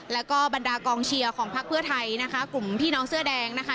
แล้วก็บรรดากองเชียร์ของพักเพื่อไทยนะคะกลุ่มพี่น้องเสื้อแดงนะคะ